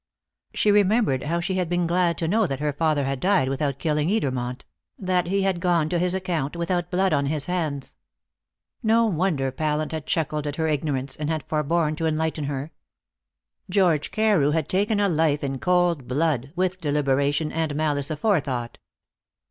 She remembered how she had been glad to know that her father had died without killing Edermont; that he had gone to his account without blood on his hands. No wonder Pallant had chuckled at her ignorance, and had forborne to enlighten her. George Carew had taken a life in cold blood, with deliberation and malice aforethought.